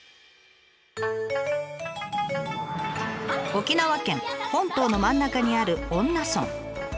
沖縄県本島の真ん中にある恩納村。